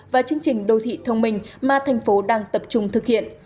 và chương trình đô thị thông minh mà thành phố đang tập trung thực hiện